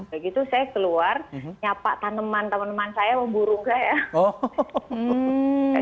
begitu saya keluar nyapa tanaman tanaman saya mau burung saya ya